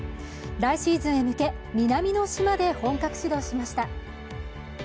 来シーズンへ向け南の島で本格始動しました。